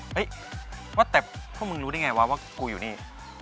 เฮ้ยว่าแต่พวกมึงรู้ได้ไงวะว่ากูอยู่นี่